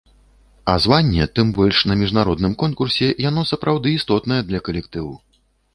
А званне, тым больш на міжнароднымі конкурсе, яно сапраўды істотнае для калектыву.